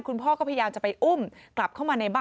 พ่อก็พยายามจะไปอุ้มกลับเข้ามาในบ้าน